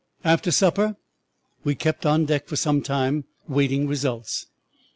"'After supper we kept on deck for some time waiting results.